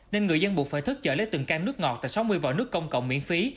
nên người dân buộc phải thức chở lấy từng can nước ngọt tại sáu mươi vòi nước công cộng miễn phí